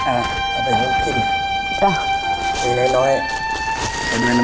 เอาไปลูกกินไปล้อยเป็นแม่น้ำใจงาม